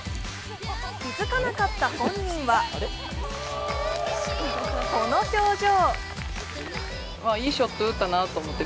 気付かなかった本人はこの表情。